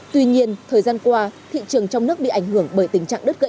tuy nhiên thời gian qua thị trường trong nước bị ảnh hưởng bởi tình trạng đất gãy